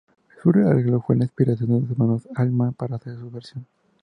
Su arreglo fue la inspiración de los hermanos Allman para hacer su versión.